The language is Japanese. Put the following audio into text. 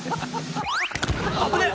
「危ねえ！」